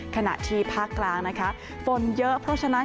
ขณะที่ภาคกลางนะคะฝนเยอะเพราะฉะนั้น